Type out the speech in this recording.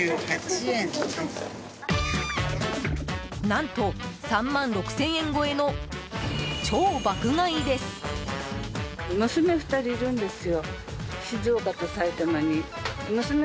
何と３万６０００円超えの超爆買いです。